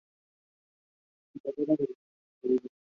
La fundadora es Rocío de la Villa.